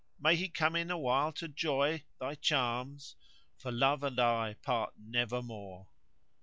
may he come in awhile to 'joy * Thy charms? for Love and I part nevermore!"